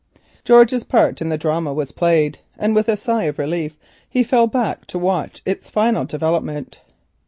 George's part in the drama was played, and with a sigh of relief he fell back to watch its final development.